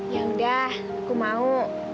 ya udah aku mau